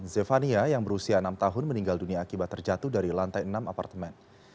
zefania yang berusia enam tahun meninggal dunia akibat terjatuh dari lantai enam apartemen